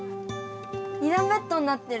２だんベッドになってる！